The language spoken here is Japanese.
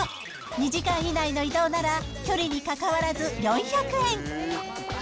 ２時間以内の移動なら、距離に関わらず４００円。